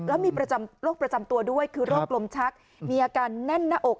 แล้วมีประจำโรคประจำตัวด้วยคือโรคลมชักมีอาการแน่นหน้าอก